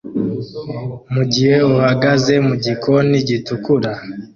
Mugihe uhagaze mugikoni gitukura